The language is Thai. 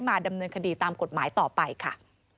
ดำเนินคดีตามกฎหมายต่อไปค่ะ